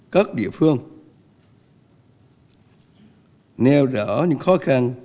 các địa phương nêu rõ những khó khăn